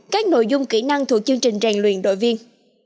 các nội dung kỹ năng thuộc chương trình rèn luyện đội viên